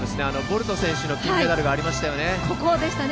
ボルト選手の金メダルがありましたよね。